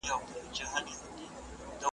انسان په طبیعت کي آزاد خلق سوی دی .